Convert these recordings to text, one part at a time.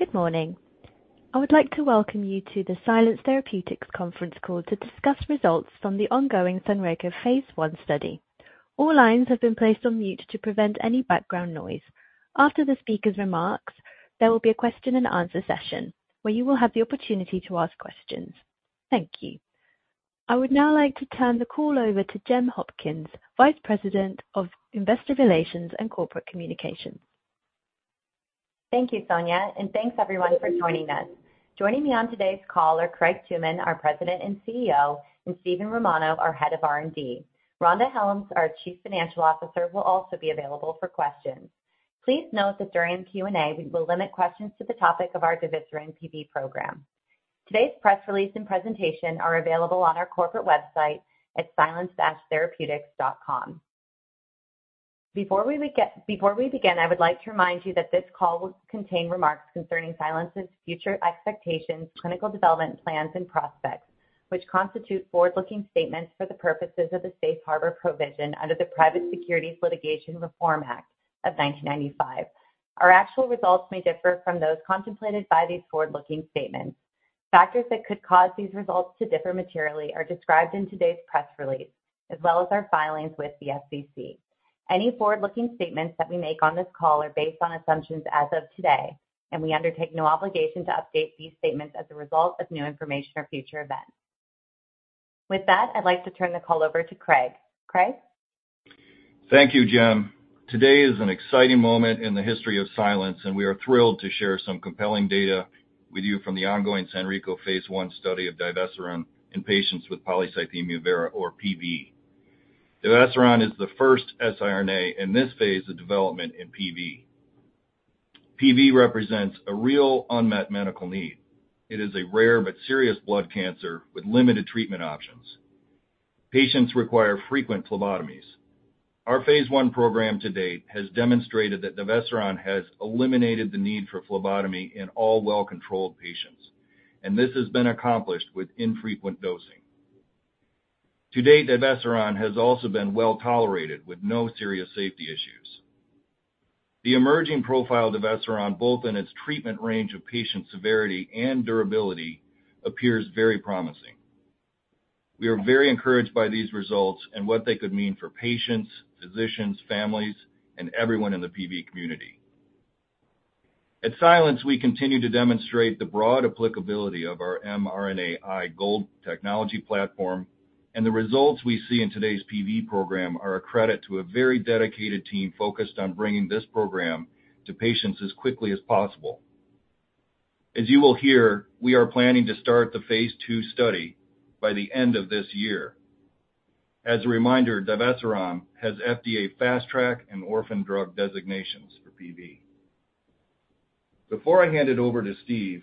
Good morning. I would like to welcome you to the Silence Therapeutics conference call to discuss results from the ongoing SANRECO Phase 1 study. All lines have been placed on mute to prevent any background noise. After the speakers' remarks, there will be a question-and-answer session where you will have the opportunity to ask questions. Thank you. I would now like to turn the call over to Gemma Hopkins, Vice President of Investor Relations and Corporate Communications. Thank you, Sonia, and thanks, everyone, for joining us. Joining me on today's call are Craig Tooman, our President and CEO, and Steven Romano, our Head of R&D. Rhonda Hellums, our Chief Financial Officer, will also be available for questions. Please note that during the Q&A, we will limit questions to the topic of our divesiran and PV program. Today's press release and presentation are available on our corporate website at silence-therapeutics.com. Before we begin, I would like to remind you that this call will contain remarks concerning Silence's future expectations, clinical development plans, and prospects, which constitute forward-looking statements for the purposes of the Safe Harbor Provision under the Private Securities Litigation Reform Act of 1995. Our actual results may differ from those contemplated by these forward-looking statements. Factors that could cause these results to differ materially are described in today's press release, as well as our filings with the SEC. Any forward-looking statements that we make on this call are based on assumptions as of today, and we undertake no obligation to update these statements as a result of new information or future events. With that, I'd like to turn the call over to Craig. Craig? Thank you, Gemma. Today is an exciting moment in the history of Silence, and we are thrilled to share some compelling data with you from the ongoing SANRECO Phase 1 study of divesiran in patients with polycythemia vera, or PV. Divesiran is the first siRNA in this phase of development in PV. PV represents a real unmet medical need. It is a rare but serious blood cancer with limited treatment options. Patients require frequent phlebotomies. Our Phase 1 program to date has demonstrated that divesiran has eliminated the need for phlebotomy in all well-controlled patients, and this has been accomplished with infrequent dosing. To date, divesiran has also been well tolerated with no serious safety issues. The emerging profile of divesiran, both in its treatment range of patient severity and durability, appears very promising. We are very encouraged by these results and what they could mean for patients, physicians, families, and everyone in the PV community. At Silence, we continue to demonstrate the broad applicability of our mRNAi GOLD™ technology platform, and the results we see in today's PV program are a credit to a very dedicated team focused on bringing this program to patients as quickly as possible. As you will hear, we are planning to start the phase 2 study by the end of this year. As a reminder, divesiran has FDA Fast Track and Orphan Drug designations for PV. Before I hand it over to Steve,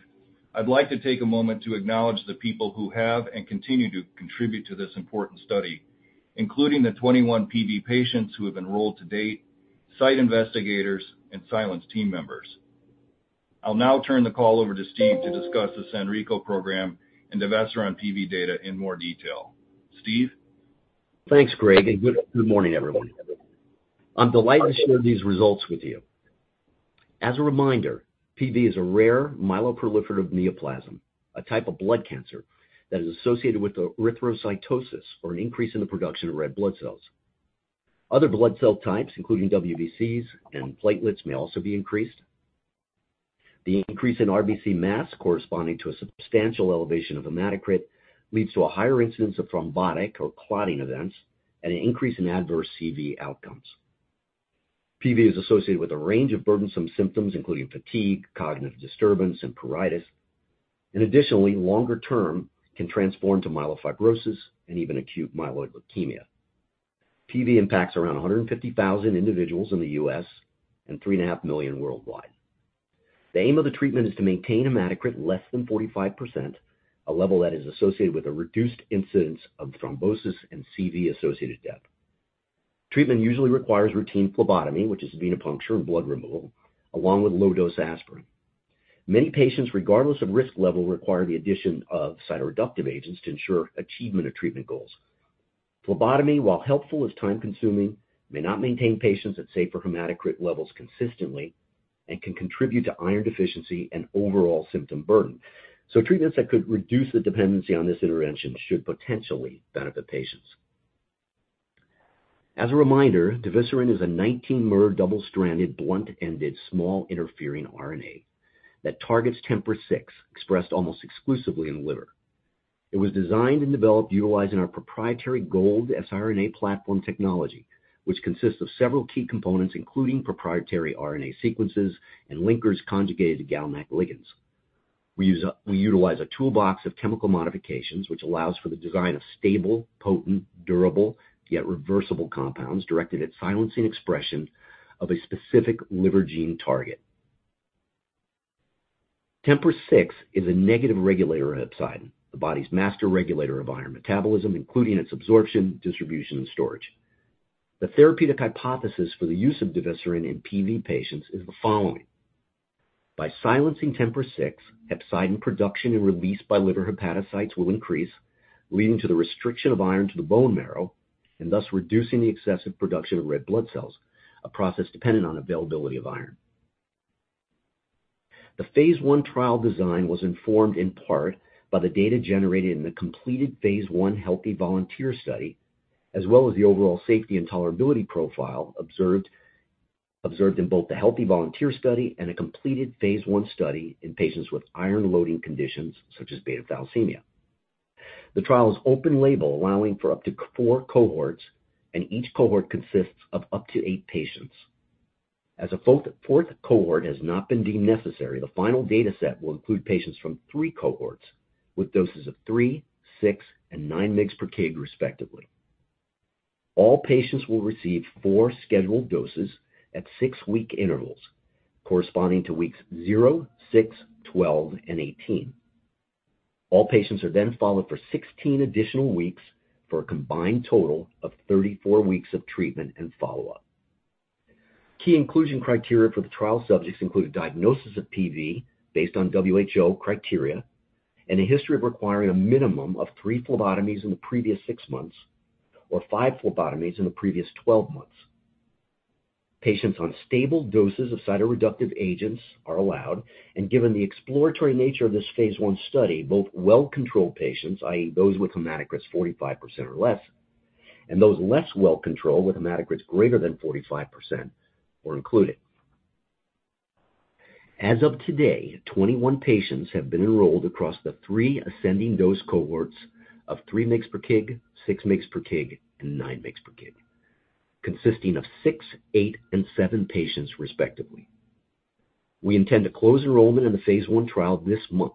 I'd like to take a moment to acknowledge the people who have and continue to contribute to this important study, including the 21 PV patients who have enrolled to date, site investigators, and Silence team members. I'll now turn the call over to Steve to discuss the SANRECO program and divesiran PV data in more detail. Steve? Thanks, Craig, and good morning, everyone. I'm delighted to share these results with you. As a reminder, PV is a rare myeloproliferative neoplasm, a type of blood cancer that is associated with erythrocytosis, or an increase in the production of red blood cells. Other blood cell types, including WBCs and platelets, may also be increased. The increase in RBC mass, corresponding to a substantial elevation of hematocrit, leads to a higher incidence of thrombotic or clotting events and an increase in adverse CV outcomes. PV is associated with a range of burdensome symptoms, including fatigue, cognitive disturbance, and pruritus, and additionally, longer term can transform to myelofibrosis and even acute myeloid leukemia. PV impacts around 150,000 individuals in the US and 3.5 million worldwide. The aim of the treatment is to maintain hematocrit less than 45%, a level that is associated with a reduced incidence of thrombosis and CV-associated death. Treatment usually requires routine phlebotomy, which is venipuncture and blood removal, along with low-dose aspirin. Many patients, regardless of risk level, require the addition of cytoreductive agents to ensure achievement of treatment goals. Phlebotomy, while helpful, is time-consuming, may not maintain patients at safer hematocrit levels consistently, and can contribute to iron deficiency and overall symptom burden. So treatments that could reduce the dependency on this intervention should potentially benefit patients. As a reminder, divesiran is a 19-mer double-stranded, blunt-ended, small interfering RNA that targets TMPRSS6, expressed almost exclusively in the liver. It was designed and developed utilizing our proprietary mRNAi GOLD™ siRNA platform technology, which consists of several key components, including proprietary RNA sequences and linkers conjugated to GalNAc ligands. We utilize a toolbox of chemical modifications, which allows for the design of stable, potent, durable, yet reversible compounds directed at silencing expression of a specific liver gene target. TMPRSS6 is a negative regulator of hepcidin, the body's master regulator of iron metabolism, including its absorption, distribution, and storage. The therapeutic hypothesis for the use of divesiran in PV patients is the following: by silencing TMPRSS6, hepcidin production and release by liver hepatocytes will increase, leading to the restriction of iron to the bone marrow and thus reducing the excessive production of red blood cells, a process dependent on availability of iron. The Phase 1 trial design was informed in part by the data generated in the completed Phase 1 Healthy Volunteer study, as well as the overall safety and tolerability profile observed in both the Healthy Volunteer study and a completed Phase 1 study in patients with iron-loading conditions such as beta thalassemia. The trial is open label, allowing for up to 4 cohorts, and each cohort consists of up to 8 patients. As a fourth cohort has not been deemed necessary, the final data set will include patients from three cohorts with doses of 3, 6, and 9 mg/kg, respectively. All patients will receive 4 scheduled doses at 6-week intervals, corresponding to weeks 0, 6, 12, and 18. All patients are then followed for 16 additional weeks for a combined total of 34 weeks of treatment and follow-up. Key inclusion criteria for the trial subjects include a diagnosis of PV based on WHO criteria and a history of requiring a minimum of 3 phlebotomies in the previous 6 months or 5 phlebotomies in the previous 12 months. Patients on stable doses of cytoreductive agents are allowed, and given the exploratory nature of this phase 1 study, both well-controlled patients, i.e., those with hematocrits 45% or less, and those less well-controlled with hematocrits greater than 45%, were included. As of today, 21 patients have been enrolled across the three ascending dose cohorts of 3 mg per kg, 6 mg per kg, and 9 mg per kg, consisting of 6, 8, and 7 patients, respectively. We intend to close enrollment in the phase 1 trial this month.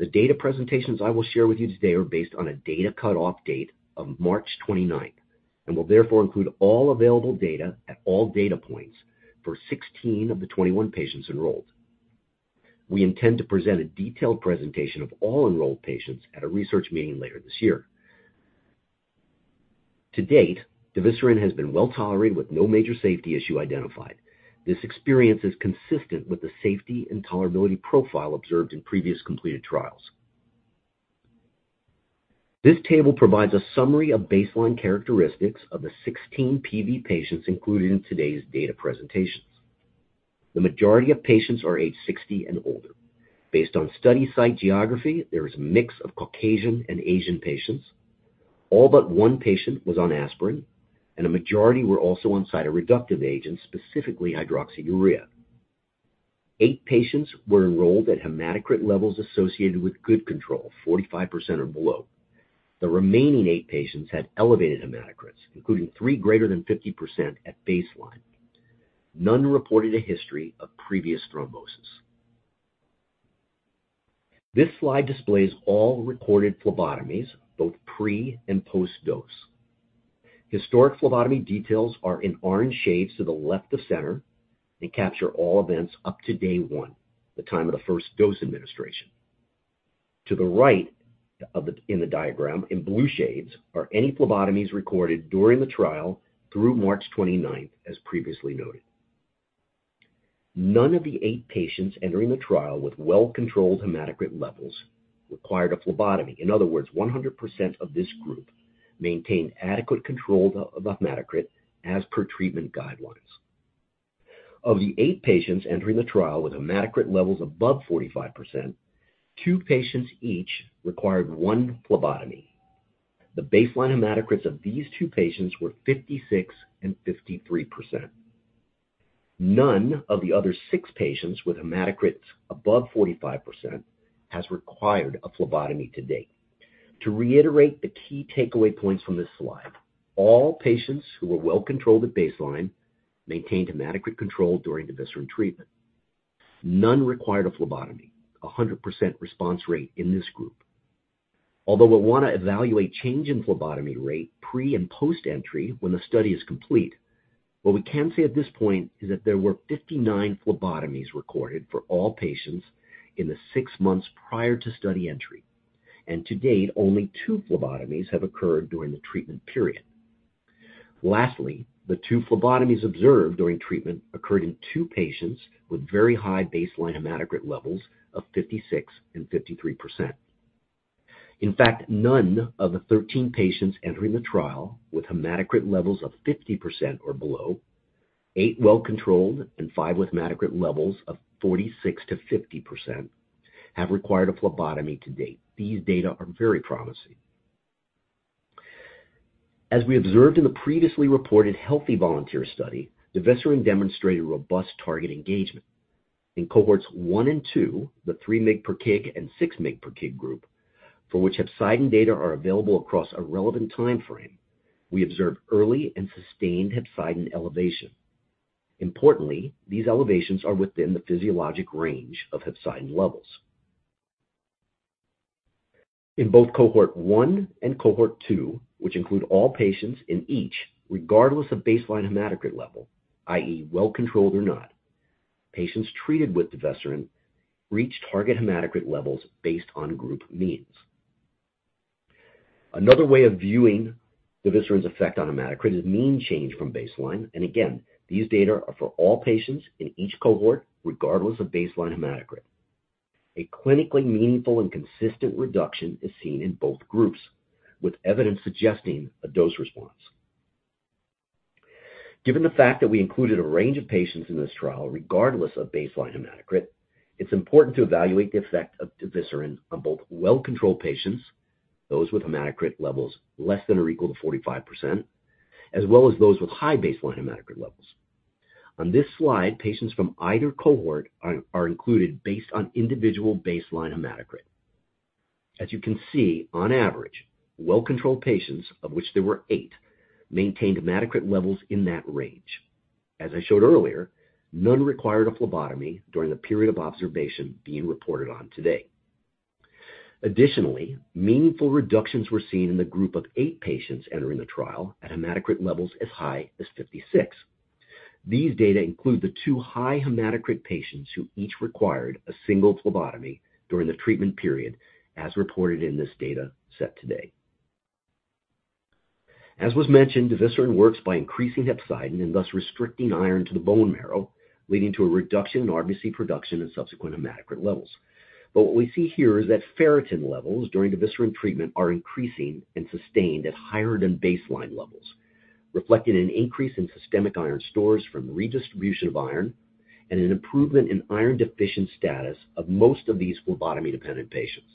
The data presentations I will share with you today are based on a data cut-off date of March 29th and will therefore include all available data at all data points for 16 of the 21 patients enrolled. We intend to present a detailed presentation of all enrolled patients at a research meeting later this year. To date, divesiran has been well tolerated with no major safety issue identified. This experience is consistent with the safety and tolerability profile observed in previous completed trials. This table provides a summary of baseline characteristics of the 16 PV patients included in today's data presentations. The majority of patients are age 60 and older. Based on study site geography, there is a mix of Caucasian and Asian patients. All but one patient was on aspirin, and a majority were also on cytoreductive agents, specifically hydroxyurea. Eight patients were enrolled at hematocrit levels associated with good control, 45% or below. The remaining eight patients had elevated hematocrits, including three greater than 50% at baseline. None reported a history of previous thrombosis. This slide displays all recorded phlebotomies, both pre and post-dose. Historic phlebotomy details are in orange shades to the left of center and capture all events up to day one, the time of the first dose administration. To the right in the diagram, in blue shades, are any phlebotomies recorded during the trial through March 29th, as previously noted. None of the eight patients entering the trial with well-controlled hematocrit levels required a phlebotomy. In other words, 100% of this group maintained adequate control of hematocrit as per treatment guidelines. Of the eight patients entering the trial with hematocrit levels above 45%, two patients each required one phlebotomy. The baseline hematocrits of these two patients were 56% and 53%. None of the other six patients with hematocrits above 45% has required a phlebotomy to date. To reiterate the key takeaway points from this slide, all patients who were well controlled at baseline maintained hematocrit control during divesiran treatment. None required a phlebotomy, 100% response rate in this group. Although we'll want to evaluate change in phlebotomy rate pre and post-entry when the study is complete, what we can say at this point is that there were 59 phlebotomies recorded for all patients in the six months prior to study entry, and to date, only two phlebotomies have occurred during the treatment period. Lastly, the 2 phlebotomies observed during treatment occurred in 2 patients with very high baseline hematocrit levels of 56% and 53%. In fact, none of the 13 patients entering the trial with hematocrit levels of 50% or below, 8 well controlled, and 5 with hematocrit levels of 46%-50%, have required a phlebotomy to date. These data are very promising. As we observed in the previously reported healthy volunteer study, divesiran demonstrated robust target engagement. In cohorts 1 and 2, the 3 mg/kg and 6 mg/kg group, for which hepcidin data are available across a relevant time frame, we observed early and sustained hepcidin elevation. Importantly, these elevations are within the physiologic range of hepcidin levels. In both cohort one and cohort two, which include all patients in each, regardless of baseline hematocrit level, i.e., well controlled or not, patients treated with divesiran reach target hematocrit levels based on group means. Another way of viewing divesiran's effect on hematocrit is mean change from baseline, and again, these data are for all patients in each cohort, regardless of baseline hematocrit. A clinically meaningful and consistent reduction is seen in both groups, with evidence suggesting a dose response. Given the fact that we included a range of patients in this trial, regardless of baseline hematocrit, it's important to evaluate the effect of divesiran on both well-controlled patients, those with hematocrit levels less than or equal to 45%, as well as those with high baseline hematocrit levels. On this slide, patients from either cohort are included based on individual baseline hematocrit. As you can see, on average, well-controlled patients, of which there were 8, maintained hematocrit levels in that range. As I showed earlier, none required a phlebotomy during the period of observation being reported on today. Additionally, meaningful reductions were seen in the group of 8 patients entering the trial at hematocrit levels as high as 56. These data include the 2 high hematocrit patients who each required a single phlebotomy during the treatment period, as reported in this data set today. As was mentioned, divesiran works by increasing hepcidin and thus restricting iron to the bone marrow, leading to a reduction in RBC production and subsequent hematocrit levels. But what we see here is that ferritin levels during divesiran treatment are increasing and sustained at higher than baseline levels, reflecting an increase in systemic iron stores from redistribution of iron and an improvement in iron deficient status of most of these phlebotomy-dependent patients.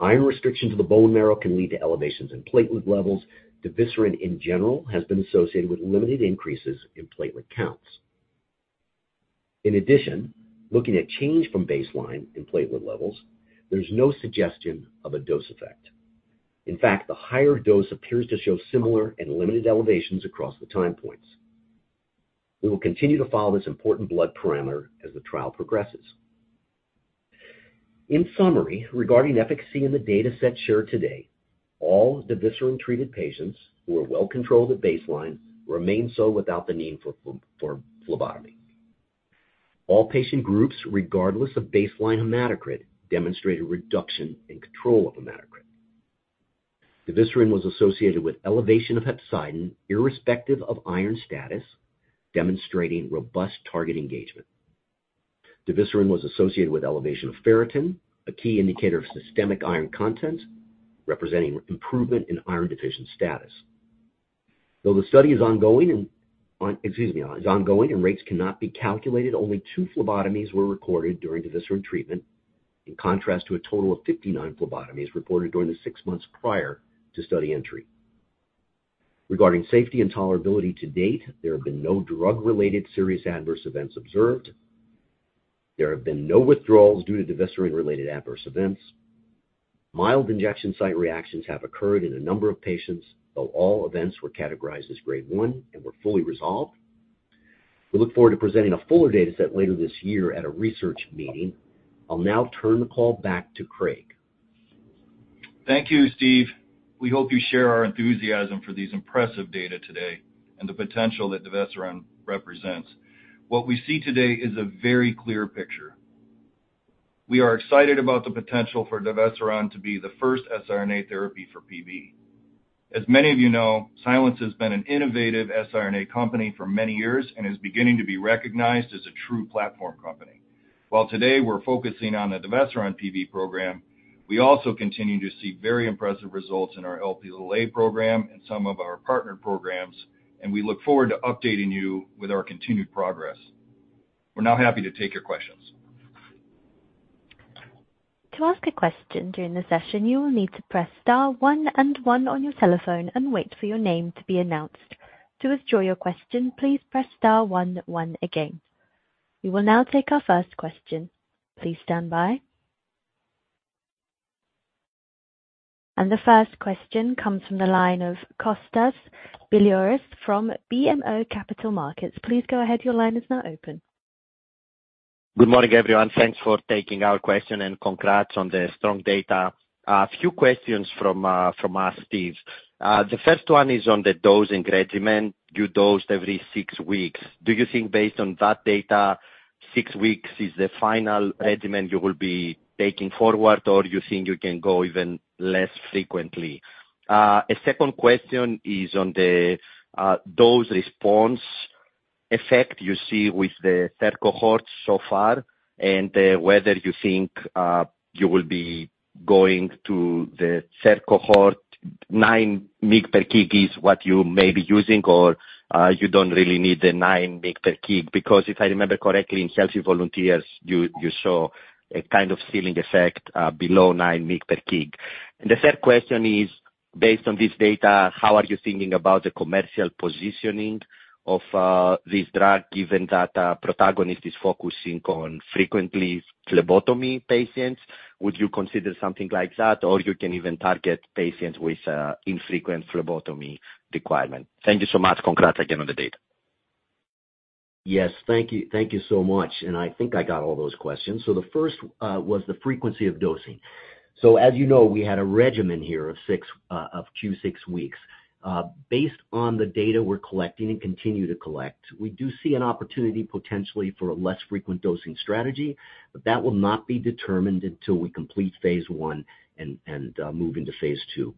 Iron restriction to the bone marrow can lead to elevations in platelet levels. Divesiran, in general, has been associated with limited increases in platelet counts. In addition, looking at change from baseline in platelet levels, there's no suggestion of a dose effect. In fact, the higher dose appears to show similar and limited elevations across the time points. We will continue to follow this important blood parameter as the trial progresses. In summary, regarding efficacy in the data set shared today, all divesiran-treated patients who were well controlled at baseline remain so without the need for phlebotomy. All patient groups, regardless of baseline hematocrit, demonstrated reduction in control of hematocrit. Divesiran was associated with elevation of hepcidin irrespective of iron status, demonstrating robust target engagement. Divesiran was associated with elevation of ferritin, a key indicator of systemic iron content, representing improvement in iron deficient status. Though the study is ongoing and rates cannot be calculated, only 2 phlebotomies were recorded during divesiran treatment, in contrast to a total of 59 phlebotomies reported during the 6 months prior to study entry. Regarding safety and tolerability to date, there have been no drug-related serious adverse events observed. There have been no withdrawals due to divesiran-related adverse events. Mild injection site reactions have occurred in a number of patients, though all events were categorized as Grade 1 and were fully resolved. We look forward to presenting a fuller data set later this year at a research meeting. I'll now turn the call back to Craig. Thank you, Steve. We hope you share our enthusiasm for these impressive data today and the potential that divesiran represents. What we see today is a very clear picture. We are excited about the potential for divesiran to be the first siRNA therapy for PV. As many of you know, Silence has been an innovative siRNA company for many years and is beginning to be recognized as a true platform company. While today we're focusing on the divesiran PV program, we also continue to see very impressive results in our Lp(a) program and some of our partner programs, and we look forward to updating you with our continued progress. We're now happy to take your questions. To ask a question during the session, you will need to press star one and one on your telephone and wait for your name to be announced. To withdraw your question, please press star one and one again. We will now take our first question. Please stand by. The first question comes from the line of Kostas Biliouris from BMO Capital Markets. Please go ahead. Your line is now open. Good morning, everyone. Thanks for taking our question and congrats on the strong data. A few questions from us, Steve. The first one is on the dosing regimen. You dosed every 6 weeks. Do you think based on that data, 6 weeks is the final regimen you will be taking forward, or do you think you can go even less frequently? A second question is on the dose response effect you see with the third cohort so far and whether you think you will be going to the third cohort, 9 mg per kg is what you may be using, or you don't really need the 9 mg per kg? Because if I remember correctly, in healthy volunteers, you saw a kind of ceiling effect below 9 mg per kg. The third question is, based on this data, how are you thinking about the commercial positioning of this drug, given that Protagonist is focusing on frequently phlebotomy patients? Would you consider something like that, or you can even target patients with infrequent phlebotomy requirement? Thank you so much. Congrats again on the data. Yes, thank you. Thank you so much. I think I got all those questions. The first was the frequency of dosing. As you know, we had a regimen here of Q6 weeks. Based on the data we're collecting and continue to collect, we do see an opportunity potentially for a less frequent dosing strategy, but that will not be determined until we complete phase 1 and move into phase 2.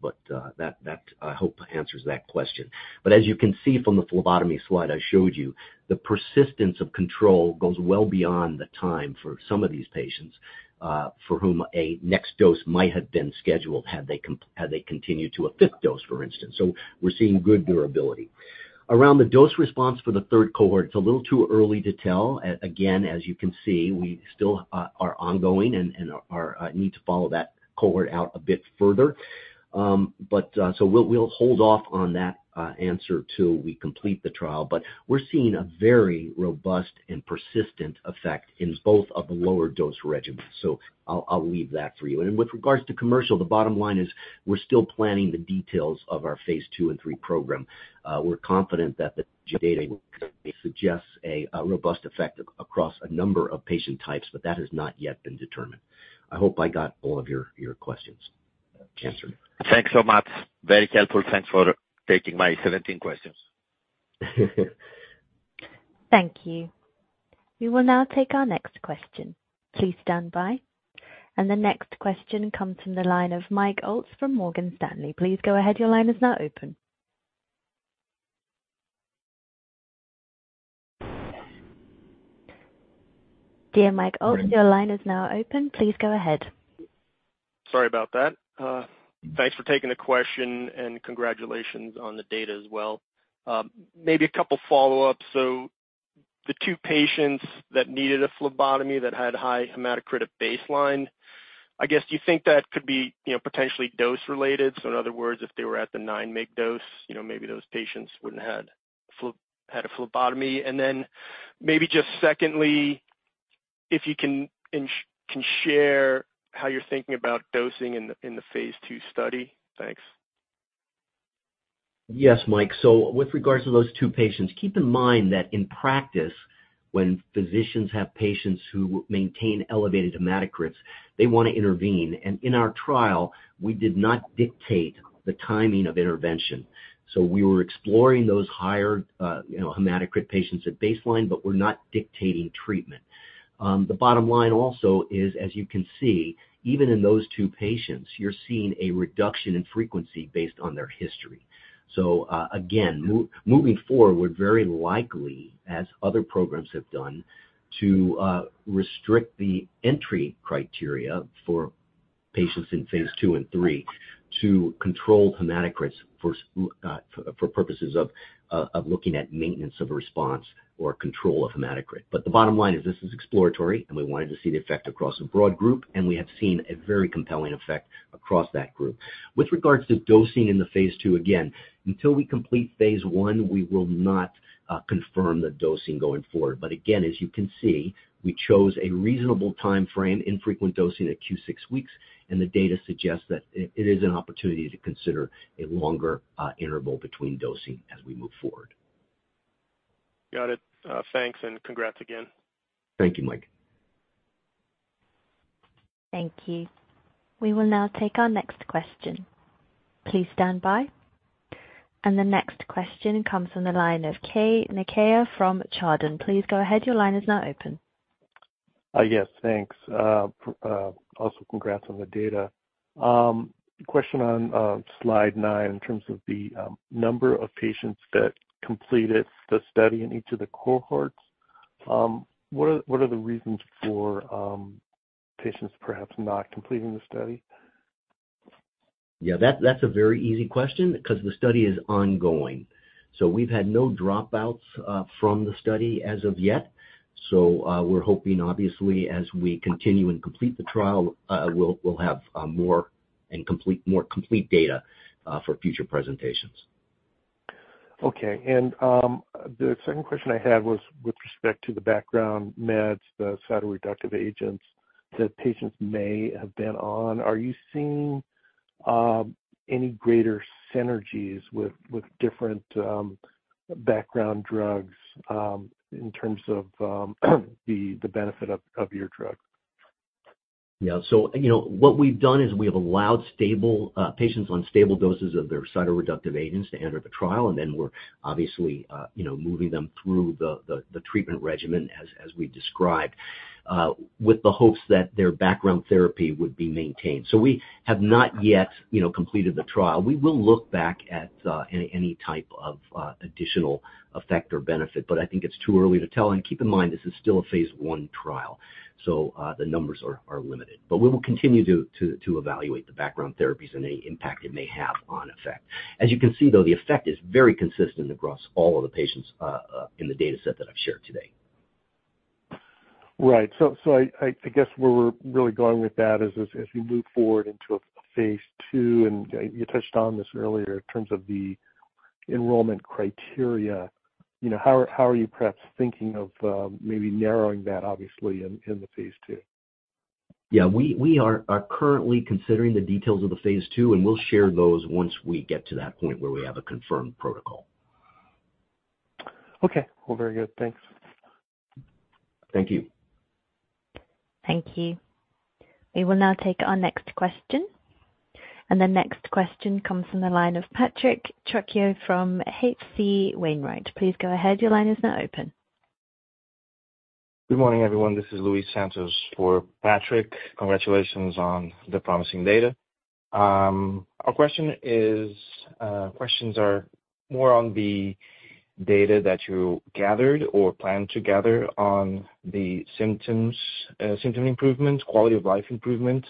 That, I hope, answers that question. As you can see from the phlebotomy slide I showed you, the persistence of control goes well beyond the time for some of these patients for whom a next dose might have been scheduled had they continued to a fifth dose, for instance. We're seeing good durability. Around the dose response for the third cohort, it's a little too early to tell. Again, as you can see, we still are ongoing and need to follow that cohort out a bit further. But so we'll hold off on that answer till we complete the trial. But we're seeing a very robust and persistent effect in both of the lower dose regimens. So I'll leave that for you. And with regards to commercial, the bottom line is we're still planning the details of our phase 2 and 3 program. We're confident that the data suggests a robust effect across a number of patient types, but that has not yet been determined. I hope I got all of your questions answered. Thanks so much. Very helpful. Thanks for taking my 17 questions. Thank you. We will now take our next question. Please stand by. The next question comes from the line of Mike Ulz from Morgan Stanley. Please go ahead. Your line is now open. Dear Mike Ulz, your line is now open. Please go ahead. Sorry about that. Thanks for taking the question and congratulations on the data as well. Maybe a couple of follow-ups. So the 2 patients that needed a phlebotomy that had high hematocrit at baseline, I guess, do you think that could be potentially dose-related? So in other words, if they were at the 9 mg dose, maybe those patients wouldn't have had a phlebotomy. And then maybe just secondly, if you can share how you're thinking about dosing in the phase 2 study. Thanks. Yes, Mike. With regards to those two patients, keep in mind that in practice, when physicians have patients who maintain elevated hematocrits, they want to intervene. In our trial, we did not dictate the timing of intervention. We were exploring those higher hematocrit patients at baseline, but we're not dictating treatment. The bottom line also is, as you can see, even in those two patients, you're seeing a reduction in frequency based on their history. Again, moving forward, we're very likely, as other programs have done, to restrict the entry criteria for patients in phase two and three to control hematocrits for purposes of looking at maintenance of a response or control of hematocrit. The bottom line is this is exploratory, and we wanted to see the effect across a broad group, and we have seen a very compelling effect across that group. With regards to dosing in the phase 2, again, until we complete phase 1, we will not confirm the dosing going forward. But again, as you can see, we chose a reasonable time frame, infrequent dosing at Q6 weeks, and the data suggests that it is an opportunity to consider a longer interval between dosing as we move forward. Got it. Thanks and congrats again. Thank you, Mike. Thank you. We will now take our next question. Please stand by. The next question comes from the line of Keay Nakae from Chardan. Please go ahead. Your line is now open. Yes, thanks. Also, congrats on the data. Question on slide 9 in terms of the number of patients that completed the study in each of the cohorts. What are the reasons for patients perhaps not completing the study? Yeah, that's a very easy question because the study is ongoing. We've had no dropouts from the study as of yet. We're hoping, obviously, as we continue and complete the trial, we'll have more and complete data for future presentations. Okay. And the second question I had was with respect to the background meds, the cytoreductive agents that patients may have been on. Are you seeing any greater synergies with different background drugs in terms of the benefit of your drug? Yeah. So what we've done is we have allowed patients on stable doses of their cytoreductive agents to enter the trial, and then we're obviously moving them through the treatment regimen as we described, with the hopes that their background therapy would be maintained. We have not yet completed the trial. We will look back at any type of additional effect or benefit, but I think it's too early to tell. Keep in mind, this is still a phase 1 trial, so the numbers are limited. We will continue to evaluate the background therapies and any impact it may have on effect. As you can see, though, the effect is very consistent across all of the patients in the data set that I've shared today. Right. So I guess where we're really going with that is as we move forward into phase 2, and you touched on this earlier in terms of the enrollment criteria, how are you perhaps thinking of maybe narrowing that, obviously, in the phase 2? Yeah. We are currently considering the details of the phase 2, and we'll share those once we get to that point where we have a confirmed protocol. Okay. Well, very good. Thanks. Thank you. Thank you. We will now take our next question. The next question comes from the line of Patrick Trucchio from H.C. Wainwright. Please go ahead. Your line is now open. Good morning, everyone. This is Luis Santos for Patrick. Congratulations on the promising data. Our questions are more on the data that you gathered or plan to gather on the symptom improvements, quality of life improvements.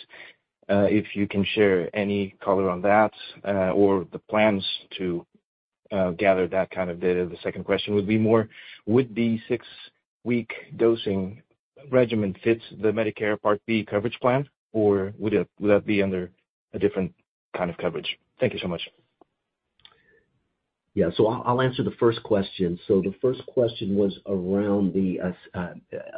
If you can share any color on that or the plans to gather that kind of data. The second question would be more, would the six-week dosing regimen fit the Medicare Part B coverage plan, or would that be under a different kind of coverage? Thank you so much. Yeah. So I'll answer the first question. So the first question was around the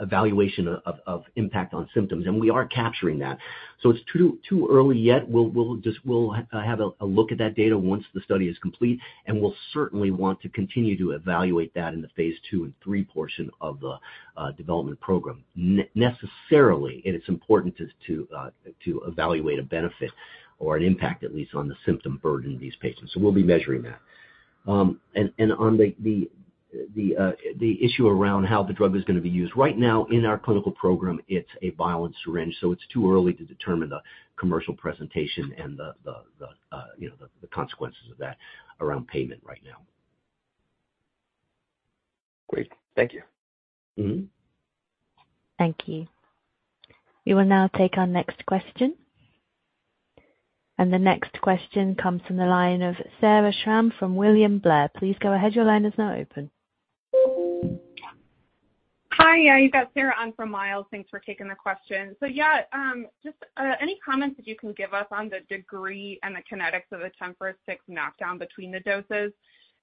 evaluation of impact on symptoms, and we are capturing that. So it's too early yet. We'll have a look at that data once the study is complete, and we'll certainly want to continue to evaluate that in the phase 2 and 3 portion of the development program. Necessarily, it's important to evaluate a benefit or an impact, at least, on the symptom burden of these patients. So we'll be measuring that. And on the issue around how the drug is going to be used, right now in our clinical program, it's a vial and syringe. So it's too early to determine the commercial presentation and the consequences of that around payment right now. Great. Thank you. Thank you. We will now take our next question. And the next question comes from the line of Sarah Schram from William Blair. Please go ahead. Your line is now open. Hi. You've got Sarah on from Myles. Thanks for taking the question. So yeah, just any comments that you can give us on the degree and the kinetics of the TMPRSS6 knockdown between the doses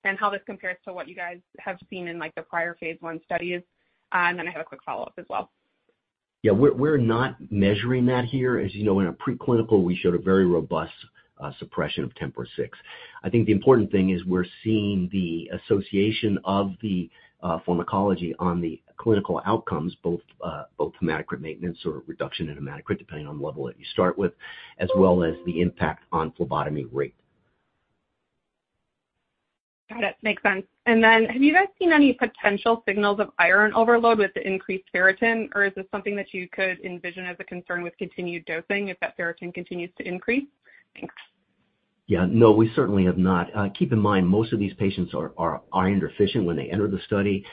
and how this compares to what you guys have seen in the prior phase 1 studies? And then I have a quick follow-up as well. Yeah. We're not measuring that here. As you know, in a preclinical, we showed a very robust suppression of TMPRSS6. I think the important thing is we're seeing the association of the pharmacology on the clinical outcomes, both hematocrit maintenance or reduction in hematocrit, depending on the level that you start with, as well as the impact on phlebotomy rate. Got it. Makes sense. And then have you guys seen any potential signals of iron overload with the increased ferritin, or is this something that you could envision as a concern with continued dosing if that ferritin continues to increase? Thanks. Yeah. No, we certainly have not. Keep in mind, most of these patients are iron deficient when they enter the study.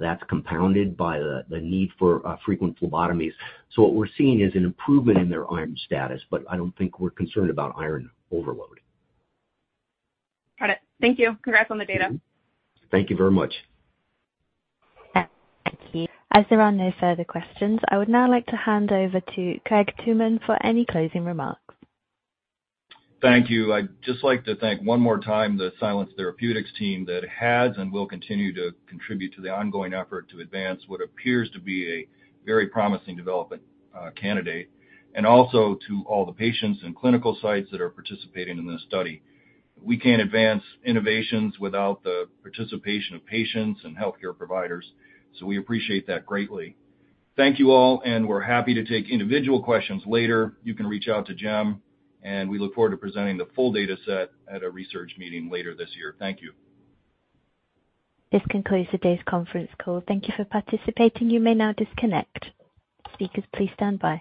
That's compounded by the need for frequent phlebotomies. So what we're seeing is an improvement in their iron status, but I don't think we're concerned about iron overload. Got it. Thank you. Congrats on the data. Thank you very much. Thank you. As there are no further questions, I would now like to hand over to Craig Tooman for any closing remarks. Thank you. I'd just like to thank one more time the Silence Therapeutics team that has and will continue to contribute to the ongoing effort to advance what appears to be a very promising development candidate. Also to all the patients and clinical sites that are participating in this study. We can't advance innovations without the participation of patients and healthcare providers, so we appreciate that greatly. Thank you all, and we're happy to take individual questions later. You can reach out to Gem, and we look forward to presenting the full data set at a research meeting later this year. Thank you. This concludes today's conference call. Thank you for participating. You may now disconnect. Speakers, please stand by.